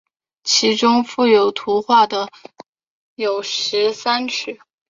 其中附有图画的有十三曲。